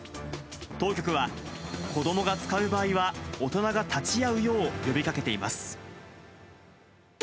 当局は、子どもが使う場合は大人が立ち会うよう呼びかけています。